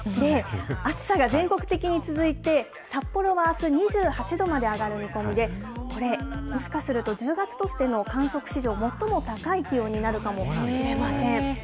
暑さが全国的に続いて、札幌はあす２８度まで上がる見込みで、これ、もしかすると、１０月としての観測史上最も高い気温になるかもしれません。